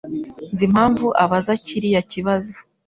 Nzi impamvu abaza kiriya kibazo.